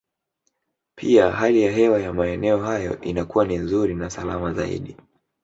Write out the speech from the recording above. Pia hali ya hewa ya maeneo hayo inakuwa ni nzuri na salama zaidi